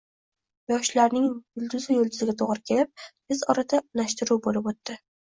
Yoshlarning yulduzi yulduziga to`g`ri kelib, tez orada unashtiruv bo`lib o`tdi